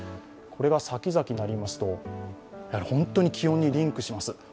これが先々になりますと、本当に気温とリンクします。